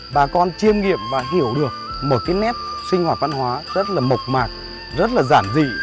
bà con chiêm nghiệm và hiểu được một cái nét sinh hoạt văn hóa rất là mộc mạc rất là giản dị